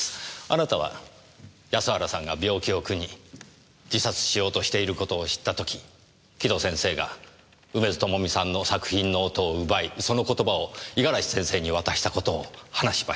あなたは安原さんが病気を苦に自殺しようとしていることを知ったとき城戸先生が梅津朋美さんの作品ノートを奪いその言葉を五十嵐先生に渡したことを話しました。